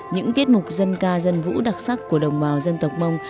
những tiết mục dân ca dân vũ đặc sắc của đồng bào dân tộc mông